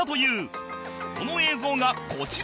その映像がこちら